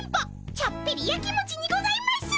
ちょっぴりやきもちにございます！